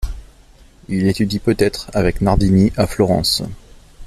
Il étudie peut-être avec Nardini à Florence.